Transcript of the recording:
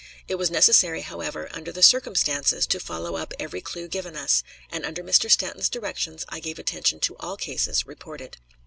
It was necessary, however, under the circumstances, to follow up every clew given us, and, under Mr. Stanton's directions, I gave attention to all cases reported.